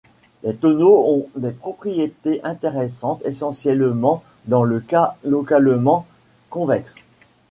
Les tonneaux ont des propriétés intéressantes essentiellement dans le cas localement convexe.